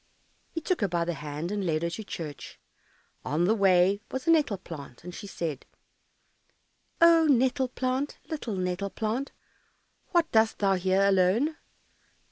He took her by the hand and led her to church. On the way was a nettle plant, and she said, "Oh, nettle plant, Little nettle plant, What dost thou here alone?